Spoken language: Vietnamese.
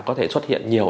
có thể xuất hiện nhiều